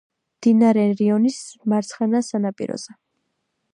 მდინარე რიონის მარცხენა სანაპიროზე.